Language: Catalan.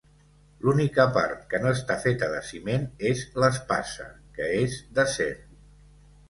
L'única part que no està feta de ciment és l'espasa, que és d'acer.